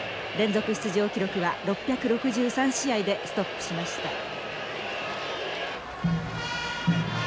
連続出場記録は６６３試合でストップしました。